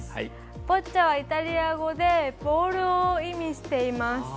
ボッチャはイタリア語でボールを意味しています。